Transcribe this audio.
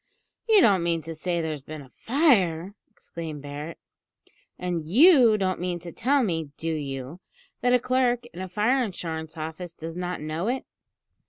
"You don't mean to say there's been a fire?" exclaimed Barret. "And you don't mean to tell me, do you, that a clerk in a fire insurance office does not know it?"